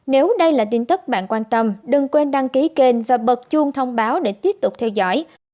nếu đây là tin tức bạn quan tâm đừng quên đăng ký kênh và bật chuông thông báo để tiếp tục theo dõi